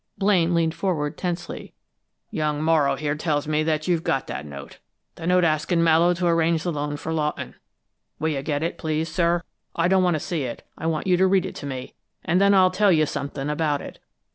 Blaine leaned forward tensely. "Young Morrow, here, tells me that you've got that note the note asking Mallowe to arrange the loan for Lawton. Will you get it, please, sir? I don't want to see it; I want you to read it to me, and then I'll tell you something about it.